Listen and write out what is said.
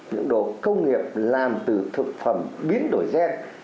những đồ công nghiệp làm từ thực phẩm biến đổi gen